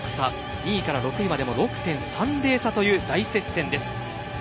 ２位から６位までも６点差という大接戦です。